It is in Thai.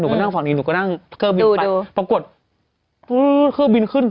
หนูก็นั่งฝั่งนี้หนูก็นั่งเคอร์บินไปดูดูปรากฏเคอร์บินขึ้น